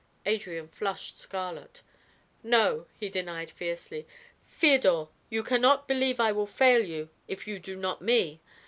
Adrian flushed scarlet. "No," he denied fiercely. "Feodor, you can not believe I will fail you if you do not me?